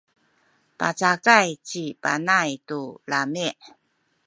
pacakay ci Panay tu lami’.